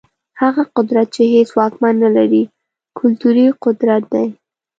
هغه قدرت چي هيڅ واکمن نلري، کلتوري قدرت دی.